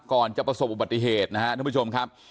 ก่อนจะประสบบุปติเหตุนะฮะทุกผู้ชมครับ